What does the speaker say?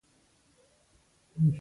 ناسته وه په ونه کې یوه تکه سره مرغۍ